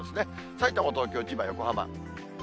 さいたま、東京、千葉、横浜。